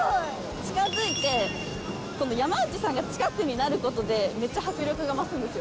近づいて山内さんが近くになることでめちゃ迫力が増すんですよ。